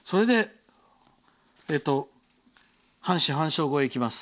半死半生語へいきます。